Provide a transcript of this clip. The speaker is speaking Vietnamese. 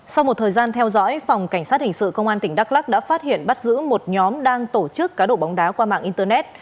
sau một thời gian theo dõi phòng cảnh sát hình sự công an tỉnh đắk lắc đã phát hiện bắt giữ một nhóm đang tổ chức cá độ bóng đá qua mạng internet